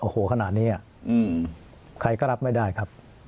เข้าหัวขนาดนี้อะใครก็รับไม่ได้ครับ